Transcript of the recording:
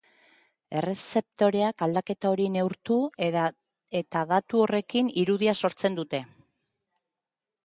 Errezeptoreak aldaketa hori neurtu eta datu horrekin irudia sortzen dute.